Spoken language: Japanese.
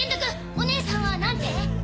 おねえさんは何て？